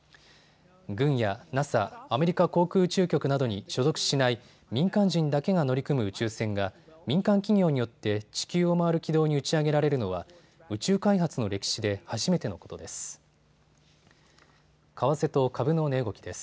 軍やＮＡＳＡ・アメリカ航空宇宙局などに所属しない民間人だけが乗り組む宇宙船が民間企業によって地球を回る軌道に打ち上げられるのは宇宙開発の歴史で初めてのことです。